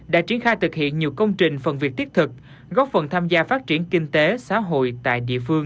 đã triển khai thực hiện nhiều công trình phần việc thiết thực góp phần tham gia phát triển kinh tế xã hội tại địa phương